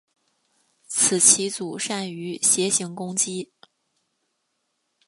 此棋组善于斜行攻击。